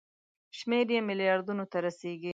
شمېر یې ملیاردونو ته رسیږي.